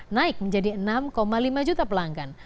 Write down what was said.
naik menjadi enam lima juta pelanggan